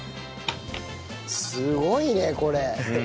すごいねこれ！